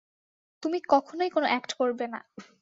তুমি কখনই কোনো অ্যাক্ট করবে না।